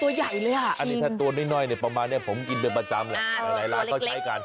อันนี้ถ้าตัวนิ่งประมาณนี้ผมกินเป็นประจำหลายตัวใช้กัน